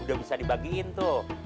udah bisa dibagiin tuh